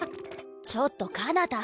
ちょっとかなた！